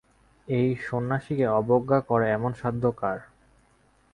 এই সন্ন্যাসীকে অবজ্ঞা করে এমন সাধ্য কার।